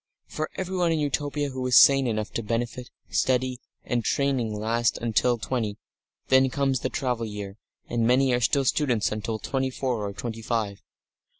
For everyone in Utopia who is sane enough to benefit, study and training last until twenty; then comes the travel year, and many are still students until twenty four or twenty five.